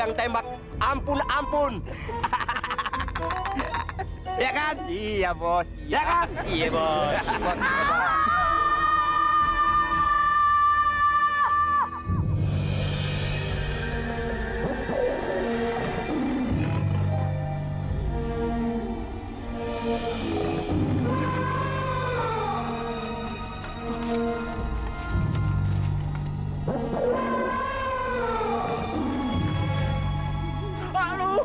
atau kamu mau aku merintahin temen temenku